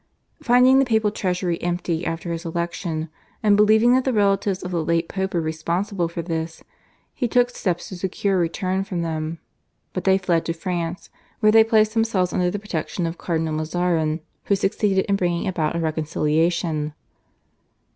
Finding the papal treasury empty after his election and believing that the relatives of the late Pope were responsible for this, he took steps to secure a return from them; but they fled to France, where they placed themselves under the protection of Cardinal Mazarin, who succeeded in bringing about a reconciliation.